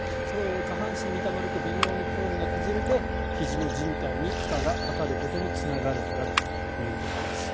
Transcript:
下半身にたまると微妙にフォームが崩れてひじのじん帯に負荷がかかることにつながるんだということです。